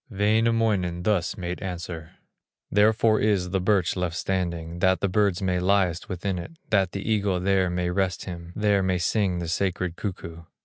Wainamoinen thus made answer: "Therefore is the birch left standing, That the birds may nest within it, That the eagle there may rest him, There may sing the sacred cuckoo."